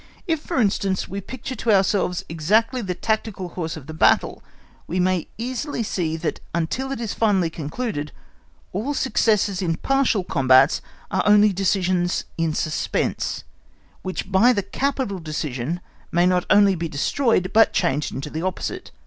If, for instance, we picture to ourselves exactly the tactical course of the battle, we may easily see that until it is finally concluded all successes in partial combats are only decisions in suspense, which by the capital decision may not only be destroyed, but changed into the opposite.